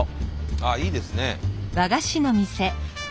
あっいいですね。